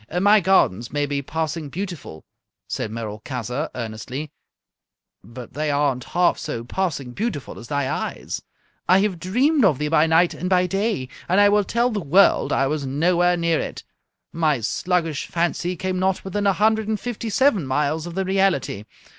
"My gardens may be passing beautiful," said Merolchazzar, earnestly, "but they aren't half so passing beautiful as thy eyes. I have dreamed of thee by night and by day, and I will tell the world I was nowhere near it! My sluggish fancy came not within a hundred and fifty seven miles of the reality.